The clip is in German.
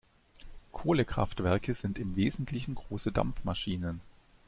Kohlekraftwerke sind im Wesentlichen große Dampfmaschinen.